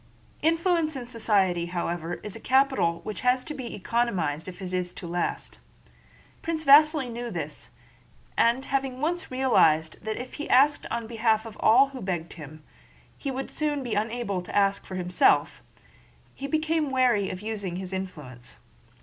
Influence in society, however, is a capital which has to be economized if it is to last. Prince Vasíli knew this, and having once realized that if he asked on behalf of all who begged of him, he would soon be unable to ask for himself, he became chary of using his influence.